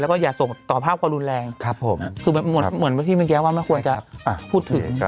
แล้วก็อย่าส่งต่อภาพกว่ารุนแรงคือเหมือนที่เมื่อกี้ว่าไม่ควรจะพูดถึงนะครับ